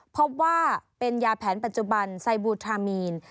พบว่าเป็นยาแผนปัจจุบันไซบูทรามีน